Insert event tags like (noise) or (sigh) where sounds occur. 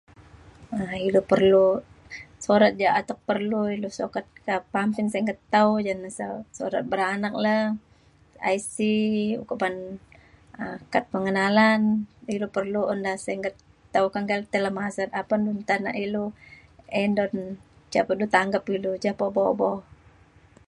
um ilu perlu surat jah ilu perlu gampang sukat keto surat beranak la, IC, uban um kad pengenalan ilu perlu (unintelligible) masen tanak ilu indon jap ilu tangkep ilu jap po.